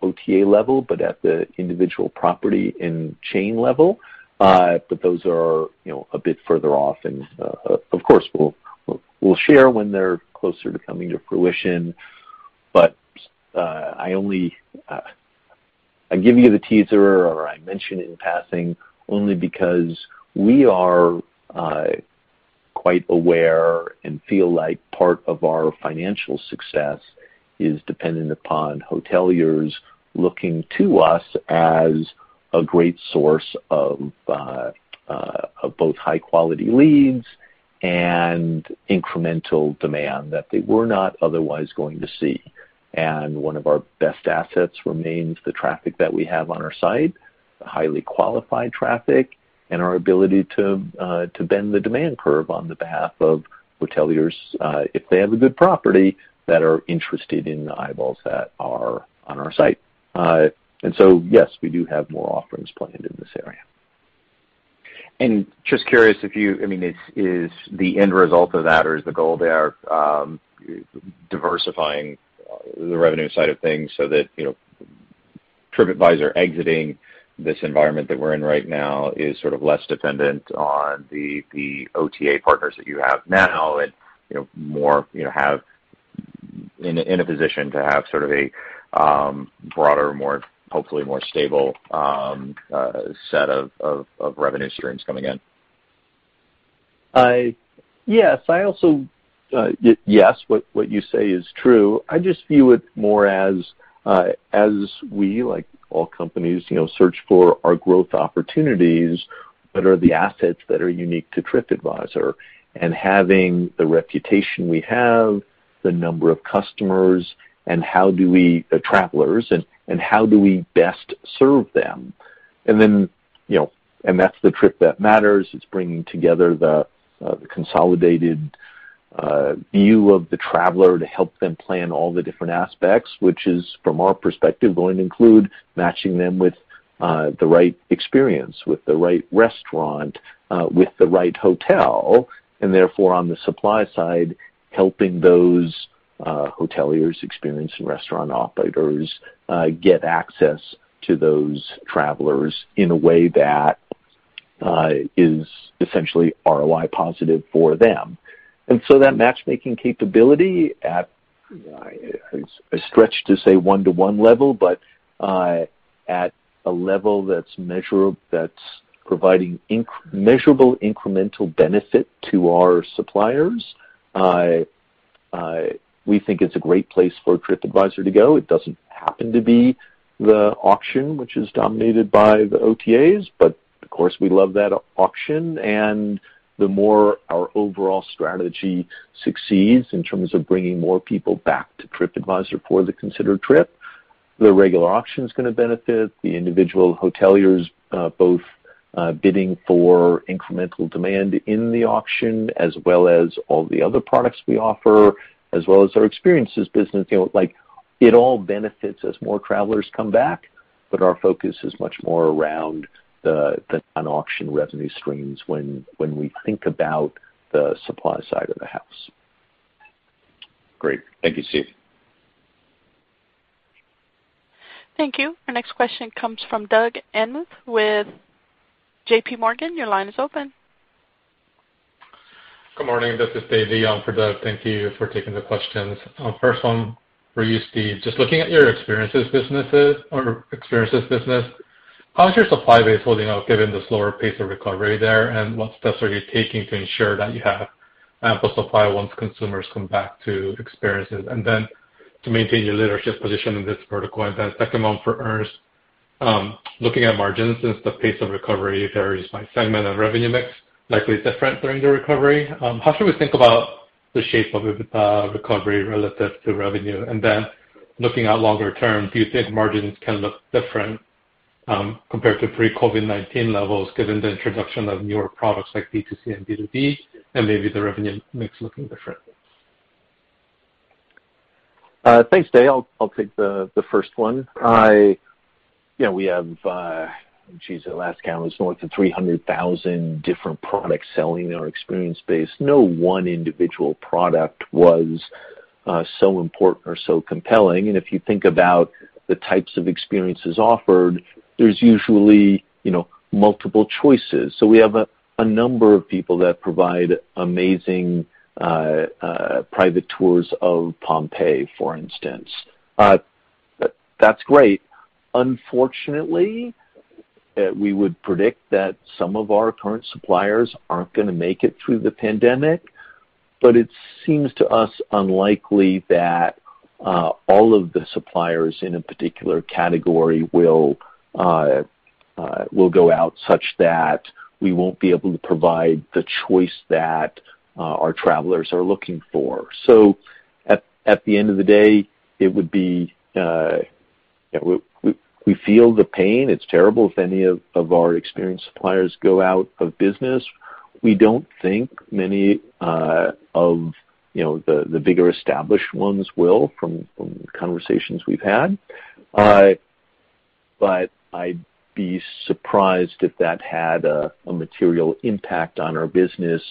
OTA level, but at the individual property and chain level? those are a bit further off, and of course, we'll share when they're closer to coming to fruition. I give you the teaser, or I mention it in passing only because we are quite aware and feel like part of our financial success is dependent upon hoteliers looking to us as a great source of both high quality leads and incremental demand that they were not otherwise going to see. And, one of our best assets remains the traffic that we have on our site, highly qualified traffic, and our ability to bend the demand curve on the behalf of hoteliers, if they have a good property, that are interested in the eyeballs that are on our site. Yes, we do have more offerings planned in this area. Just curious, is the end result of that, or is the goal there diversifying the revenue side of things so that Tripadvisor exiting this environment that we're in right now is less dependent on the OTA partners that you have now and in a position to have sort of a broader, hopefully more stable set of revenue streams coming in? Yes what you say is true i just view it more as we, like all companies, search for our growth opportunities, what are the assets that are unique to Tripadvisor. And having the reputation we have, the number of customers, and the travelers, and how do we best serve them? That's the trip that matters it's bringing together the consolidated view of the traveler to help them plan all the different aspects, which is, from our perspective, going to include matching them with the right experience, with the right restaurant, with the right hotel, and therefore, on the supply side, helping those hoteliers experiences and restaurant operators get access to those travelers in a way that is essentially ROI positive for them. That matchmaking capability at, it's a stretch to say one-to-one level, but at a level that's providing measurable incremental benefit to our suppliers. We think it's a great place for Tripadvisor to go it doesn't happen to be the auction, which is dominated by the OTAs but, of course, we love that auction, and- -the more our overall strategy succeeds in terms of bringing more people back to Tripadvisor for the considered trip, the regular auction's going to benefit the individual hoteliers both bidding for incremental demand in the auction as well as all the other products we offer, as well as our Experiences business it all benefits as more travelers come back. Our focus is much more around the non-auction revenue streams when we think about the supply side of the house. Great. Thank you, Steve. Thank you. Our next question comes from Doug Anmuth with J.P. Morgan. Your line is open. Good morning this is Dave Lee for Doug thank you for taking the questions. First one for you, Steve just looking at your Experiences, how is your supply base holding up given the slower pace of recovery there? What steps are you taking to ensure that you have ample supply once consumers come back to Experiences and to maintain your leadership position in this vertical? Second one for Ernst. Looking at margins, since the pace of recovery varies by segment and revenue mix, likely different during the recovery? how should we think about the shape of a recovery relative to revenue? Looking at longer term, do you think margins can look different compared to pre-COVID-19 levels given the introduction of newer products like B2C and B2B and maybe the revenue mix looking different? Thanks, Dave. I'll take the first one. We have, geez, at last count, it was more than 300,000 different products selling in our experience base no one individual product was so important or so compelling, and if you think about the types of experiences offered, there's usually multiple choices so we have a number of people that provide amazing private tours of Pompeii, for instance. That's great. Unfortunately, we would predict that some of our current suppliers aren't going to make it through the pandemic, but it seems to us unlikely that all of the suppliers in a particular category will go out such that we won't be able to provide the choice that our travelers are looking for so- At the end of the day, we feel the pain. It's terrible if any of our experience suppliers go out of business. We don't think many of the bigger established ones will from conversations we've had. I'd be surprised if that had a material impact on our business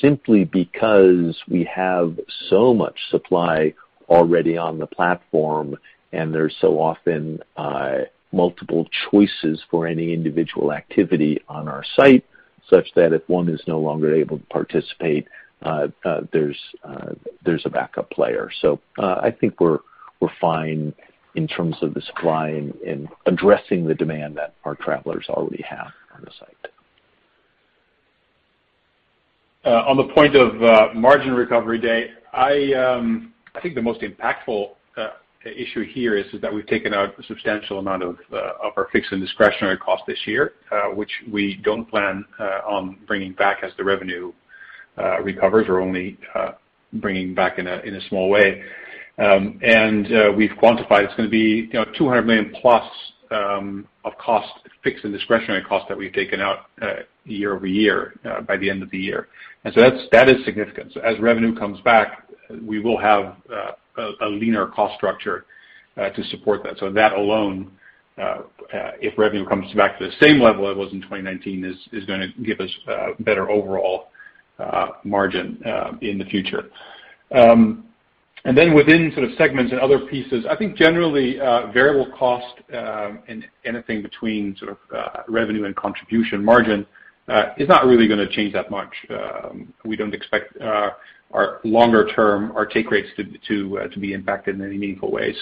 simply because we have so much supply already on the platform. There's so often multiple choices for any individual activity on our site, such that if one is no longer able to participate, there's a backup player. I think we're fine in terms of the supply and addressing the demand that our travelers already have on the site. On the point of margin recovery, Dave, I think the most impactful issue here is that we've taken out a substantial amount of our fixed and discretionary cost this year, which we don't plan on bringing back as the revenue recovers or only bringing back in a small way. We've quantified it's going to be $200+ million of fixed and discretionary cost that we've taken out year-over-year by the end of the year. That is significant as revenue comes back, we will have a leaner cost structure to support that, that alone, if revenue comes back to the same level it was in 2019, is going to give us a better overall margin in the future. Within segments and other pieces, I think generally, variable cost and anything between revenue and contribution margin, is not really going to change that much. We don't expect our longer term, our take rates to be impacted in any meaningful way.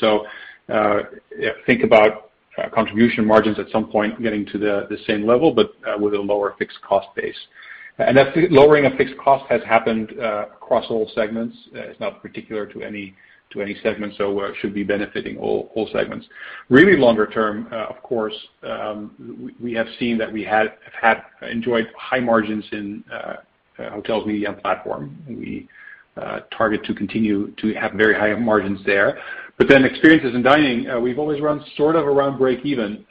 Think about contribution margins at some point getting to the same level, but with a lower fixed cost base. That lowering of fixed cost has happened across all segments. It's not particular to any segment, so it should be benefiting all segments. Really longer term, of course, we have seen that we have enjoyed high margins in Hotels, Media & Platform we target to continue to have very high margins there. Experiences & Dining, we've always run sort of around breakeven,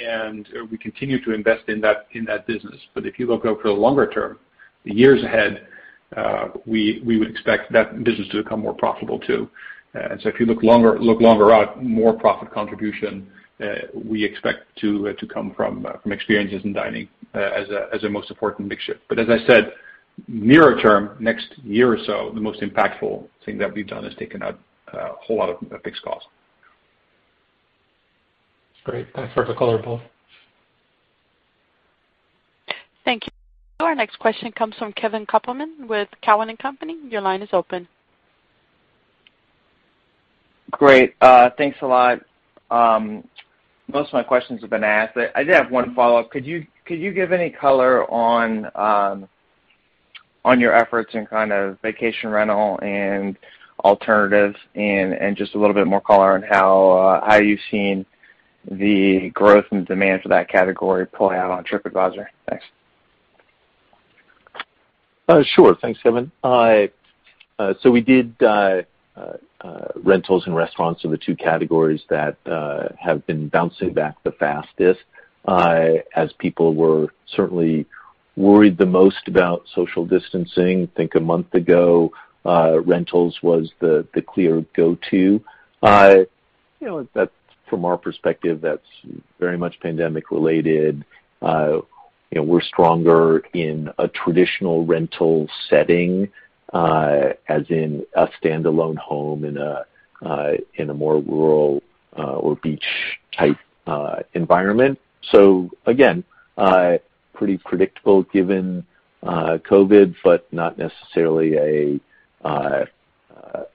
and we continue to invest in that business if you look out for the longer term, the years ahead, we would expect that business to become more profitable too. If you look longer out, more profit contribution, we expect to come from Experiences & Dining as a most important mix shift as I said, nearer term, next year or so, the most impactful thing that we've done is taken out a whole lot of fixed cost. Great. Thanks for the color, Paul. Thank you. Our next question comes from Kevin Kopelman with Cowen and Company. Your line is open. Great. Thanks a lot. Most of my questions have been asked, but I did have one follow-up could you give any color on your efforts in kind of vacation rental and alternatives and just a little bit more color on how you've seen the growth and demand for that category play out on Tripadvisor? Thanks. Sure. Thanks, Kevin. We did rentals and restaurants are the two categories that have been bouncing back the fastest, as people were certainly worried the most about social distancing i think a month ago, rentals was the clear go-to. From our perspective, that's very much pandemic related. We're stronger in a traditional rental setting, as in a standalone home in a more rural or beach type environment so, again, pretty predictable given COVID-19, but not necessarily a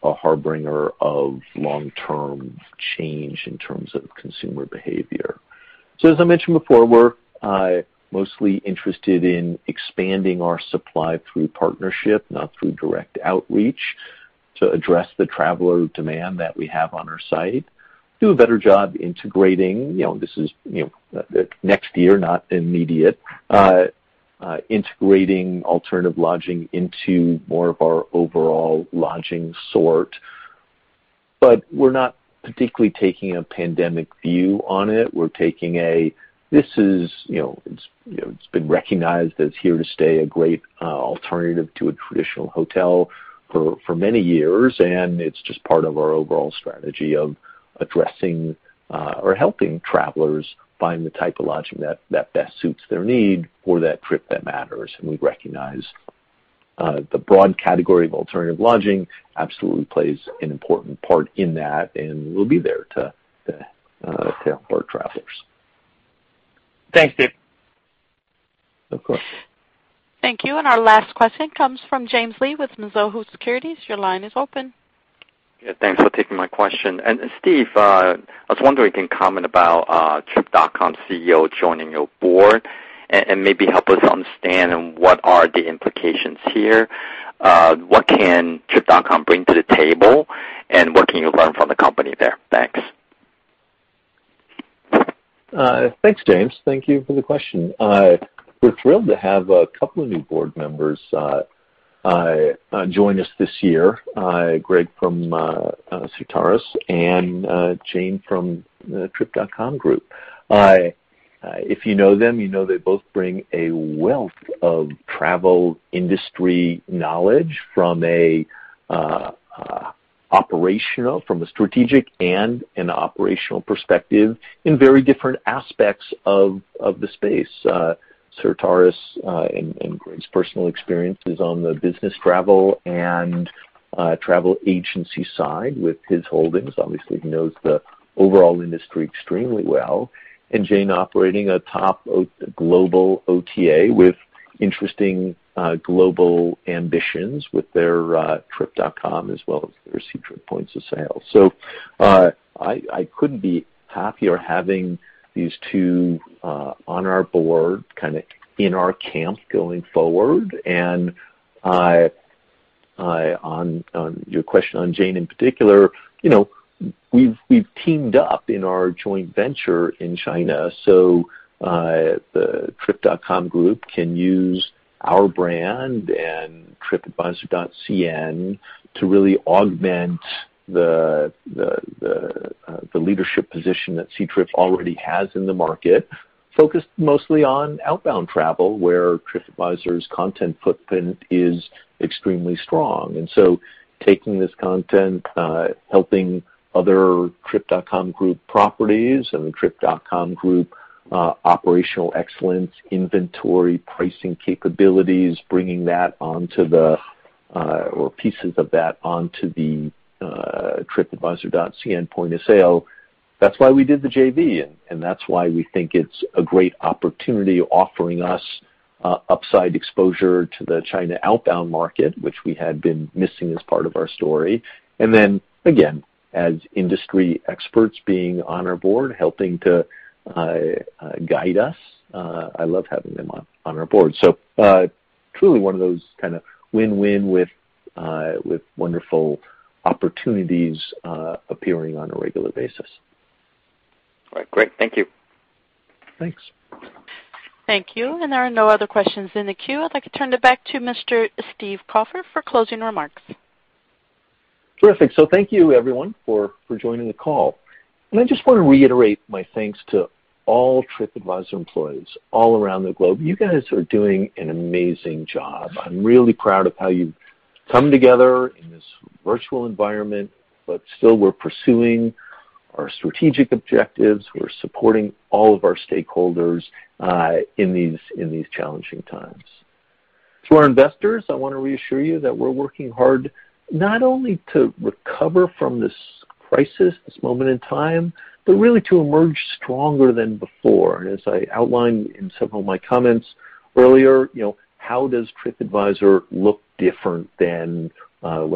harbinger of long-term change in terms of consumer behavior. As I mentioned before, we're mostly interested in expanding our supply through partnership, not through direct outreach, to address the traveler demand that we have on our site. Do a better job integrating, this is next year, not immediate, integrating alternative lodging into more of our overall lodging sort. We're not particularly taking a pandemic view on it. It's been recognized as here to stay, a great alternative to a traditional hotel for many years and it's just part of our overall strategy of addressing or helping travelers find the type of lodging that best suits their need for that trip that matters we recognize the broad category of alternative lodging absolutely plays an important part in that, and we'll be there to help our travelers. Thanks, Steve. Of course. Thank you. Our last question comes from James Lee with Mizuho Securities. Your line is open. Yeah, thanks for taking my question. Steve, I was wondering, can you comment about Trip.com's CEO joining your board, and maybe help us understand what are the implications here? What can Trip.com bring to the table? and what can you learn from the company there? Thanks. Thanks, James. Thank you for the question. We're thrilled to have a couple of new board members join us this year. Greg from Certares and Jane from Trip.com Group. If you know them, you know they both bring a wealth of travel industry knowledge from a strategic and an operational perspective in very different aspects of the space. Certares and Greg's personal experience is on the business travel and travel agency side with his holdings obviously, he knows the overall industry extremely well. Jane operating a top global OTA with interesting global ambitions with their Trip.com, as well as their Ctrip points of sale. I couldn't be happier having these two on our board, kind of in our camp going forward. On your question on James in particular, we've teamed up in our joint venture in China, so the Trip.com Group can use our brand and tripadvisor.cn to really augment the leadership position that Ctrip already has in the market, focused mostly on outbound travel, where Tripadvisor's content footprint is extremely strong. Taking this content, helping other Trip.com Group properties and Trip.com Group operational excellence inventory pricing capabilities, bringing that onto the, or pieces of that onto the tripadvisor.cn point of sale. That's why we did the JV, and that's why we think it's a great opportunity offering us upside exposure to the China outbound market, which we had been missing as part of our story. Again, as industry experts being on our board, helping to guide us, I love having them on our board. Truly one of those kind of win-win with wonderful opportunities appearing on a regular basis. All right. Great. Thank you. Thanks. Thank you. There are no other questions in the queue. I'd like to turn it back to Mr. Steve Kaufer for closing remarks. Terrific thank you everyone for joining the call. I just want to reiterate my thanks to all Tripadvisor employees all around the globe you guys are doing an amazing job. I'm really proud of how you've come together in this virtual environment, but still we're pursuing our strategic objectives we're supporting all of our stakeholders in these challenging times. To our investors, I want to reassure you that we're working hard not only to recover from this crisis, this moment in time, but really to emerge stronger than before as I outlined in some of my comments earlier, how does Tripadvisor look different than the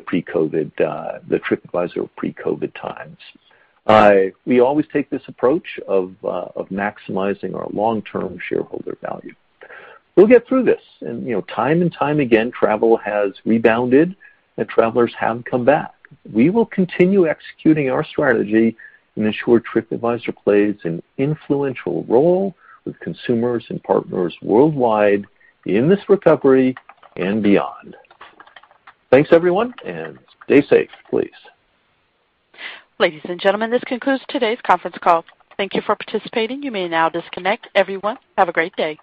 pre-COVID, the Tripadvisor pre-COVID times? We always take this approach of maximizing our long-term shareholder value. We'll get through this, and time and time again, travel has rebounded, and travelers have come back. We will continue executing our strategy and ensure Tripadvisor plays an influential role with consumers and partners worldwide in this recovery and beyond. Thanks, everyone, and stay safe, please. Ladies and gentlemen, this concludes today's conference call. Thank you for participating. You may now disconnect. Everyone, have a great day.